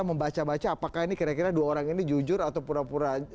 membaca baca apakah ini kira kira dua orang ini jujur atau pura pura